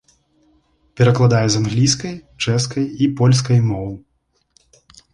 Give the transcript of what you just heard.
Перакладае з англійскай, чэшскай і польскай моў.